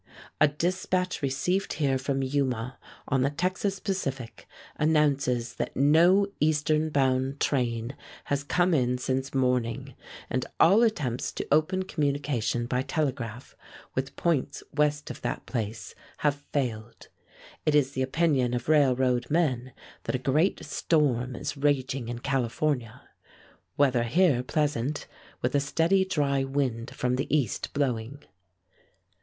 A dispatch received here from Yuma on the Texas Pacific announces that no eastern bound train has come in since morning, and all attempts to open communication by telegraph with points west of that place have failed. It is the opinion of railroad men that a great storm is raging in California. Weather here pleasant, with a steady, dry wind from the east blowing.